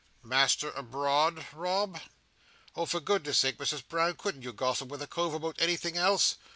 "Master abroad, Rob?" "Oh, for goodness' sake, Misses Brown, couldn't you gossip with a cove about anything else?"